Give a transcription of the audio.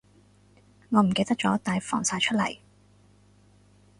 我唔記得咗帶防曬出嚟